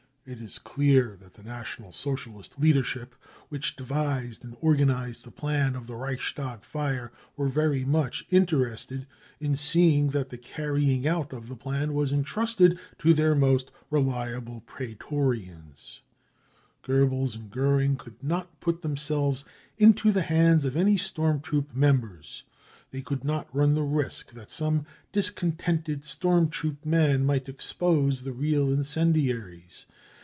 It is clear that the National Socialist leader ship which devised and organised the plan of the Reichstag fire were very much interested in seeing that the carrying out of the plan was entrusted to their most reliable prse tftrians. Goebbels and Goering could not put themselves into the hands of any storm troop members ; they could I36 BROWN BOOK OF THE HITLER TERROR not run the risk that some discontented storm troop man « plight expose the real incendiaries.